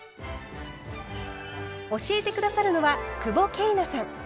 教えて下さるのは久保桂奈さん。